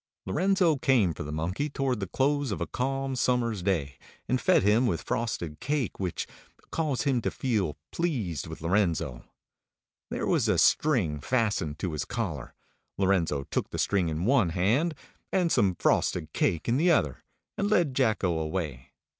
Lorenzo came for the monkey toward the close of a calm summer's day, and fed him with frosted cake, which caused him to feel pleased with Lorenzo. There was a string fastened to his collar; Lorenzo took the string in one hand, and some frosted cake in the other, and led Jacko away.